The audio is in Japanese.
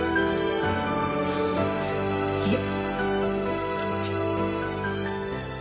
いえ。